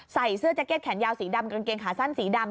ใส่เสื้อแจ็คเก็ตแขนยาวสีดำกางเกงขาสั้นสีดำ